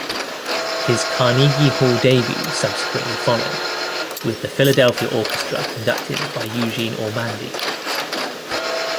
His Carnegie Hall debut subsequently followed, with the Philadelphia Orchestra conducted by Eugene Ormandy.